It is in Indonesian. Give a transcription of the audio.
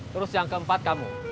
terus yang keempat kamu